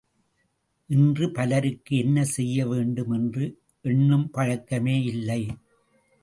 இன்று பலருக்கு என்ன செய்யவேண்டும் என்று எண்ணும் பழக்கமே இல்லை!